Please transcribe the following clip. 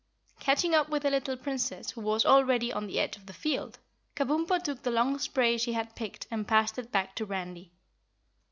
Catching up with the little Princess who was already on the edge of the field, Kabumpo took the long spray she had picked and passed it back to Randy.